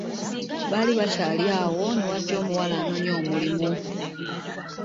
Baali bakyali awo newajja omuwala anoonya omulimu.